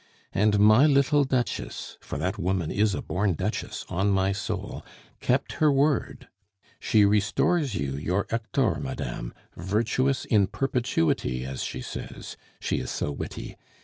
And my little duchess for that woman is a born duchess, on my soul! kept her word. She restores you your Hector, madame, virtuous in perpetuity, as she says she is so witty!